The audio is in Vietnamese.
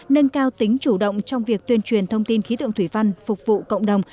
nâng cao tính chủ động trong việc tuyên truyền thông tin khí tượng thủy văn phục vụ cộng đồng